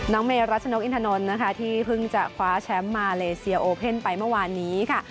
เมรัชนกอินทนนท์นะคะที่เพิ่งจะคว้าแชมป์มาเลเซียโอเพ่นไปเมื่อวานนี้ค่ะ